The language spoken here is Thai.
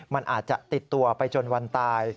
มันอาจจะติดตัวไปจนวันตาย